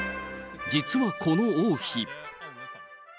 実はこの王妃。